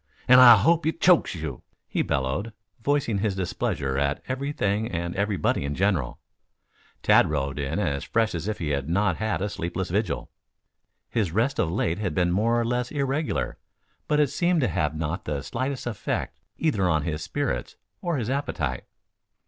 And I hope it chokes you!" he bellowed, voicing his displeasure at everything and everybody in general. Tad rode in as fresh as if he had not had a sleepless vigil. His rest of late had been more or less irregular, but it seemed to have not the slightest effect either on his spirits or his appetite.